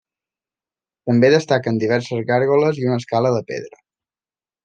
També destaquen diverses gàrgoles i una escala de pedra.